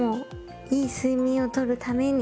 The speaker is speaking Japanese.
いい睡眠を取るために。